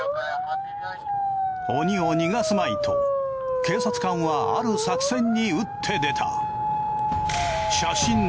鬼を逃がすまいと警察官はある作戦に打って出た。